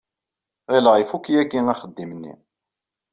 Ɣileɣ ifuk yagi axeddim-nni.